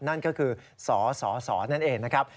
นั่นก็คือสสนั่นเองนะครับ